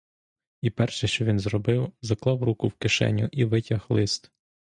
І перше, що він зробив, — заклав руку в кишеню і витяг лист.